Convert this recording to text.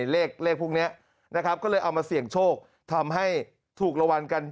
เลขพวกนี้นะครับก็เลยเอามาเสี่ยงโชคทำให้ถูกรางวัลกัน